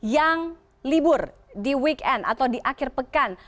yang libur di weekend atau di akhir pekan